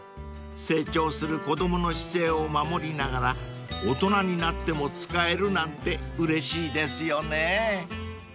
［成長する子供の姿勢を守りながら大人になっても使えるなんてうれしいですよね］